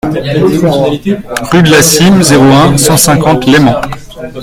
Rue de la Cîme, zéro un, cent cinquante Leyment